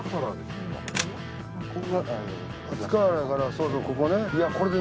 塚原からそうそうここねこれで。